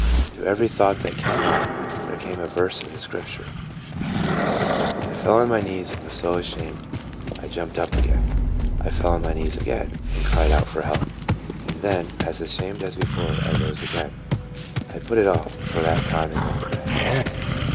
To every thought that came up there came a verse of the Scripture. I fell on my knees, 4 26 TRANSFORMED. and was so ashamed I jumped up again. I fell on my knees again, and cried out for help, and then, as ashamed as before, I rose again. I put it off for that time and went to bed.